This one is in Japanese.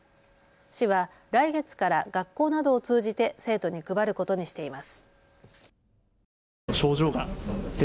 市は来月から学校などを通じて生徒に配ることにしています。